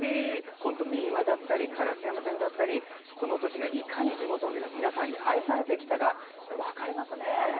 本当、民話だったり烏山線だったりこの土地がいかに地元の皆さんに愛されてきたか分かりますね。